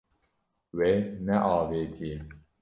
Wê neavêtiye.